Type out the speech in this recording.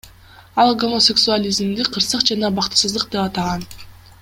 Ал гомосексуализмди кырсык жана бактысыздык деп атаган.